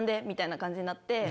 みたいな感じになって。